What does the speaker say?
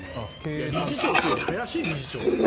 理事長というより林理事長だから。